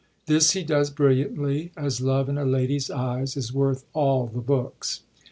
This he does brilliantly, as love in a lady's eyes is worth all the books.